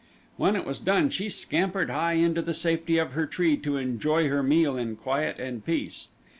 When it was done she scampered high into the safety of her tree to enjoy her meal in quiet and peace.